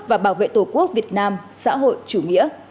và bảo vệ tổ quốc việt nam xã hội chủ nghĩa